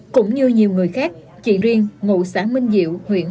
cũng như nhiều người khác chị riêng ngụ xã minh diệu